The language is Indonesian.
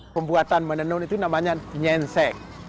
pembuatan menenun itu namanya nyensek